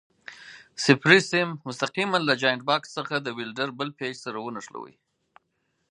صفري سیم مستقیماً له جاینټ بکس څخه د ولډر بل پېچ سره ونښلوئ.